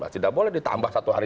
tidak boleh ditambah satu hari